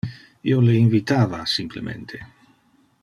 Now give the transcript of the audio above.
Io le invitava simplemente.